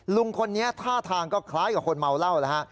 ลุงคนนี้ท่าทางก็คล้ายกับคนเมาเหล้าแล้วฮะ